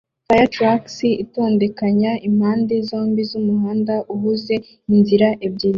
Firetrucks itondekanya impande zombi zumuhanda uhuze inzira ebyiri